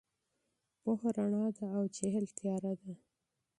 پوهه رڼا ده او جهل تیاره ده.